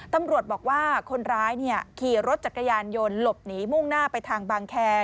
ตำรวจบอกว่าคนร้ายขี่รถจักรยานยนต์หลบหนีมุ่งหน้าไปทางบางแคร์